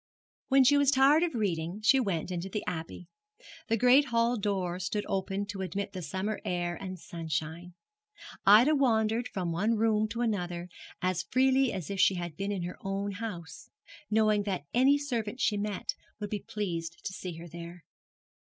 When she was tired of reading she went into the Abbey. The great hall door stood open to admit the summer air and sunshine. Ida wandered from one room to another as freely as if she had been in her own house, knowing that any servant she met would be pleased to see her there.